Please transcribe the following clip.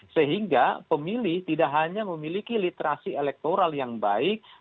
sehingga pemilih tidak hanya memiliki literasi elektoral yang baik